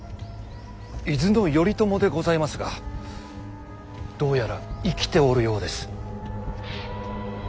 伊豆の頼朝でございますがどうやら生きておるようです。